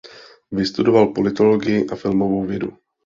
Vystudoval politologii a filmovou vědu.